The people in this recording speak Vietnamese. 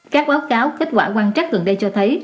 các báo cáo kết quả quan trắc gần đây cho thấy